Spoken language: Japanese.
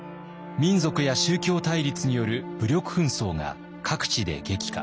民族や宗教対立による武力紛争が各地で激化。